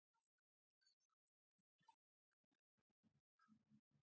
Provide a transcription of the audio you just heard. لیکوالان دې په پښتو نوي کتابونه ولیکي.